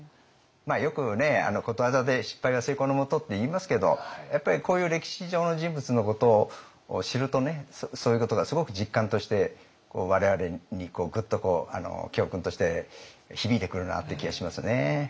よくことわざで「失敗は成功のもと」っていいますけどやっぱりこういう歴史上の人物のことを知るとねそういうことがすごく実感として我々にグッと教訓として響いてくるなって気がしますね。